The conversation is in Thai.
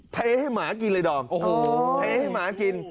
เทให้หมากินเลยดองเทให้หมากิน